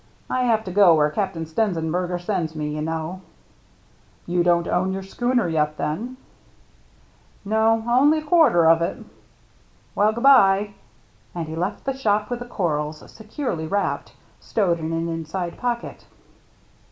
I have to go where Captain Stenzenberger sends me, you know." " You don't own your schooner yet, then ?"" No ; only a quarter of it. Well, good by." And he left the shop with the corals, securely wrapped, stowed in an inside pocket.